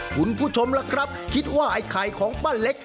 คุณผู้ชมล่ะครับคิดว่าไอ้ไข่ของป้าเล็ก